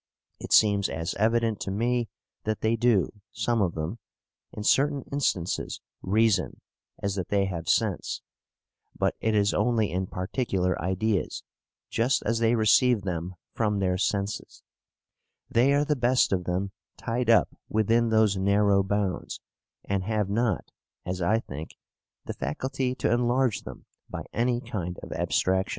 It seems as evident to me that they do, some of them, in certain instances reason as that they have sense; but it is only in particular ideas, just as they receive them from their senses. They are the best of them tied up within those narrow bounds, and have not (as I think) the faculty to enlarge them by any kind of abstraction.* ("Essay on Human Understanding," Bk. II, chap.